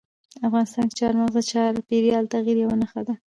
افغانستان کې چار مغز د چاپېریال د تغیر یوه نښه ده.